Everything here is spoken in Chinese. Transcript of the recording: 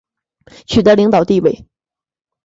取得领导地位